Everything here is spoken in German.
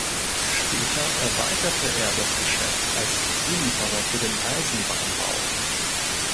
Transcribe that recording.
Später erweiterte er das Geschäft als Zulieferer für den Eisenbahnbau.